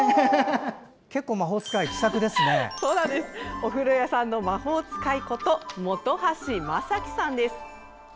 お風呂屋さんの魔法使いこと本橋正季さんです。